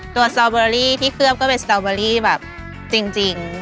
สตรอเบอรี่ที่เคลือบก็เป็นสตอเบอรี่แบบจริง